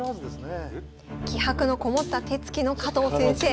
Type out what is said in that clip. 気迫のこもった手つきの加藤先生。